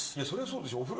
それはそうでしょ。